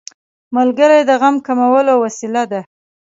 ملګری د غم کمولو وسیله ده